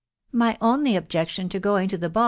" My only objection to goingMto ^he baU.